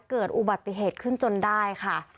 เกิดอุบัติเหตุขึ้นจนได้ค่ะ